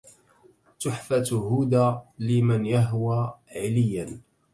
تحفة تهدى لمن يهوى عليا